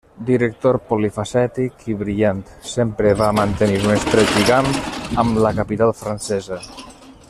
Director polifacètic i brillant, sempre va mantenir un estret lligam amb la capital francesa.